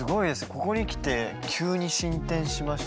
ここにきて急に進展しましたね。